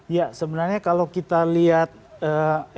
ya sebenarnya kalau kita lihat